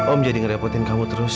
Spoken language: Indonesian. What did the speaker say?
om jadi ngerepotin kamu terus